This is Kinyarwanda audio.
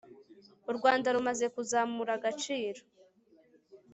urwanda rumaze kuzamura agaciro